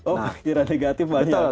oh pikiran negatif banyak